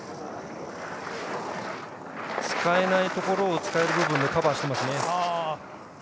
使えないところを、使える部分でカバーしていますね。